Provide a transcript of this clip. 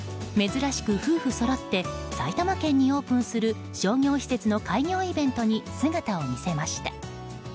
珍しく夫婦そろって埼玉県にオープンする商業施設の開業イベントに姿を見せました。